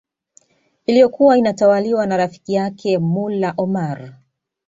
iliyokuwa inatawaliwa na rafiki yake Mullah Omar